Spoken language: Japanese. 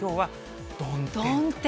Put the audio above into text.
曇天。